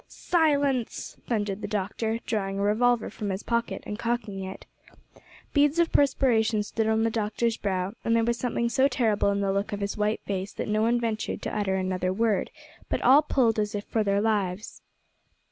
"Silence!" thundered the doctor, drawing a revolver from his pocket and cocking it. Beads of perspiration stood on the doctor's brow, and there was something so terrible in the look of his white face that no one ventured to utter another word, but all pulled as if for their lives.